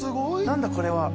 何だこれは。